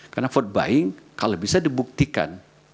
karena vote buying kalau bisa dibuktikan